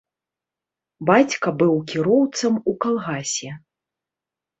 Бацька быў кіроўцам у калгасе.